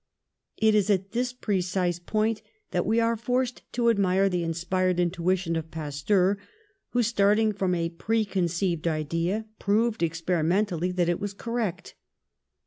It is at this precise point that we are forced to admire the inspired intuition of Pasteur, who, starting from a preconceived idea, proved experimentally that it was correct.